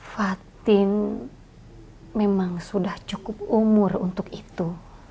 fatin memang sudah cukup umur untuk itu